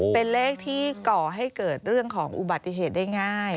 เป็นเลขที่ก่อให้เกิดเรื่องของอุบัติเหตุได้ง่าย